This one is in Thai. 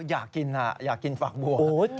อยากกินอยากกินฝักบัว